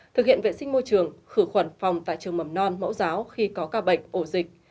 thực hiện vệ sinh môi trường khử khuẩn phòng tại trường mầm non mẫu giáo khi có ca bệnh ổ dịch